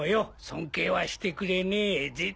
尊敬はしてくれねえぜ。